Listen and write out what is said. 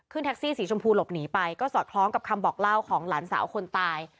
แท็กซี่สีชมพูหลบหนีไปก็สอดคล้องกับคำบอกเล่าของหลานสาวคนตาย